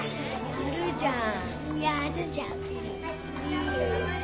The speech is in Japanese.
やるじゃん。